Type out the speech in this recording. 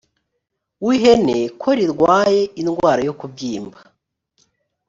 w ihene ko rirwaye indwara yo kubyimba